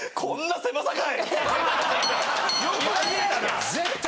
「こんな狭さかい！」。